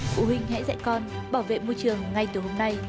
phụ huynh hãy dạy con bảo vệ môi trường ngay từ hôm nay